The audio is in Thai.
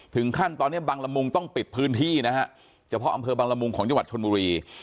ถึงขั้นตอนนี้บังละมุงต้องปิดพื้นที่นะฮะเฉพาะอำเภอบังละมุงของจังหวัดชนบุรี